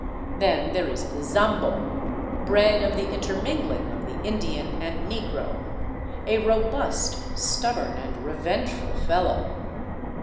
Then there is the sambo, bred of the inter mingling of the Indian and negro, a robust, stubborn, and revengeful fellow.